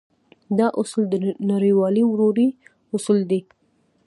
دا اصول د نړيوالې ورورۍ اصول دی.